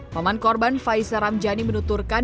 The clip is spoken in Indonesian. paman korban faiza ramjani menuturkan